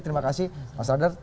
terima kasih mas radar